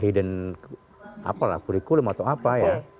hidden apalah kurikulum atau apa ya